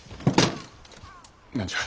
何じゃ。